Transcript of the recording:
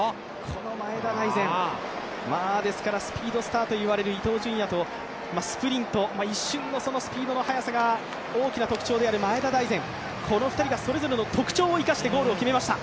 この前田大然、スピードスターと言われる伊東純也とスプリント、一瞬のスピードの速さが大きな特徴である前田大然、この２人がそれぞれの特長を生かしてゴールを決めました。